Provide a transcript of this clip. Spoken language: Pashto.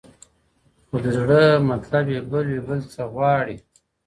خو د زړه مطلب یې بل وي بل څه غواړي .